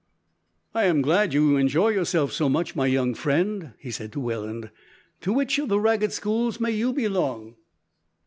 "I am glad you enjoy yourself so much, my young friend," he said to Welland; "to which of the ragged schools may you belong?"